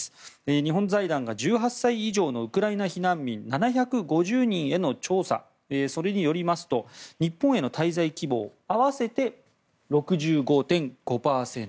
日本財団が行った１８歳以上のウクライナ避難民７５０人への調査によりますと日本への滞在希望は合わせて６５．５％。